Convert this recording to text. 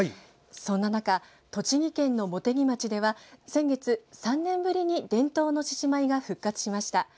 そんな中、栃木県の茂木町では先月、３年ぶりに伝統の獅子舞が復活しました。